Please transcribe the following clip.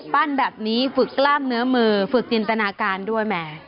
ปั้นแบบนี้ฝึกร่างเนื้อมือฝึกลินตนาการด้วยแหม